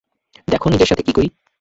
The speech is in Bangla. দেখ নিজের সাথে কী করি!